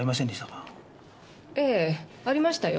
ええありましたよ。